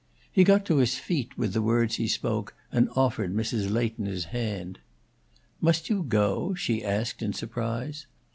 He got to his feet with the words he spoke and offered Mrs. Leighton his hand. "Must you go?" she asked, in surprise.